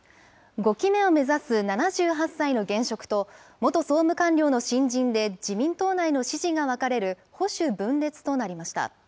５期目を目指す７８歳の現職と、元総務官僚の新人で自民党内の支持が分かれる、保守分裂となりました。